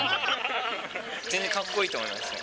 全然かっこいいと思いますね。